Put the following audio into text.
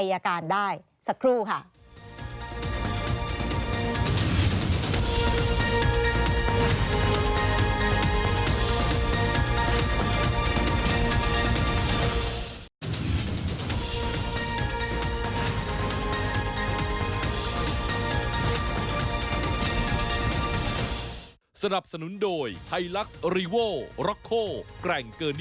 จากไออาการได้สักครู่ค่ะ